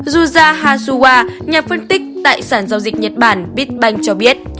yuzha hasuwa nhà phân tích tại sản giao dịch nhật bản bitbank cho biết